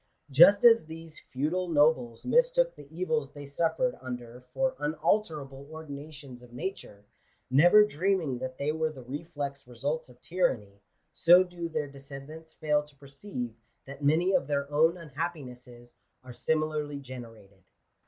Just as these feudal nobles mistook the evils they suffered under for unalterable ordinations of nature, never dreaming that they were the reflex results of tyranny, so do their descendants fail to {fereeive that many of their own unhappinesses are similarly generated.